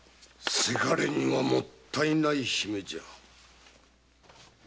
せがれにはもったいない姫じゃ。